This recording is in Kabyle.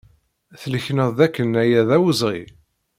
Tlekned dakken aya d awezɣi?